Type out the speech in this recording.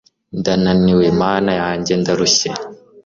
ndananiwe, mana yanjye, ndarushye